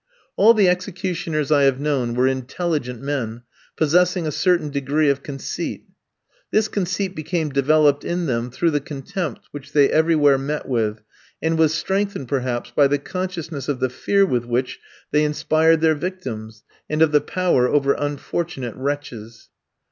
All the executioners I have known were intelligent men, possessing a certain degree of conceit. This conceit became developed in them through the contempt which they everywhere met with, and was strengthened, perhaps, by the consciousness of the fear with which they inspired their victims, and of the power over unfortunate wretches.